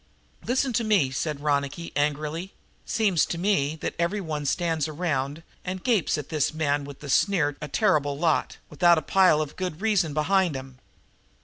'" "Listen to me," said Ronicky angrily. "Seems to me that everybody stands around and gapes at this gent with the sneer a terrible lot, without a pile of good reasons behind 'em.